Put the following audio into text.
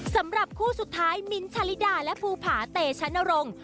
สำหรับคู่สุดท้ายมิ้นท์ชะลิดาและภูผาเตชะนรงค์